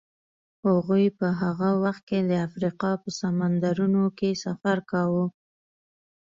هغوی په هغه وخت کې د افریقا په سمندرونو کې سفر کاوه.